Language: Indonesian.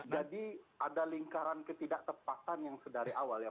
jadi ada lingkaran ketidak tepatan yang dari awal ya